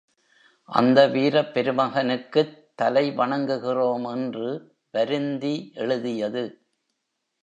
அந்த வீரப் பெருமகனுக்குத் தலை வணங்குகிறோம் என்று வருந்தி எழுதியது.